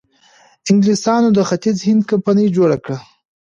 انګلیسانو د ختیځ هند کمپنۍ جوړه کړه.